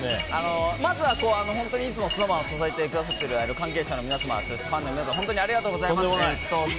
まずは、いつもＳｎｏｗＭａｎを支えてくださっている関係者の皆様そしてファンの皆様本当にありがとうございます。